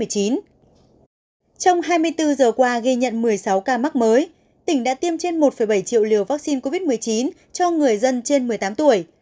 trong hai mươi bốn giờ qua ghi nhận một mươi sáu ca mắc mới tỉnh đã tiêm trên một bảy triệu liều vaccine covid một mươi chín cho người dân trên một mươi tám tuổi